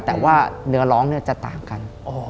แต่ว่าเนื้อร้องจะต่างกัน